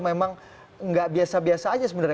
memang nggak biasa biasa aja sebenarnya